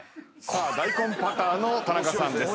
大根パターの田中さんです。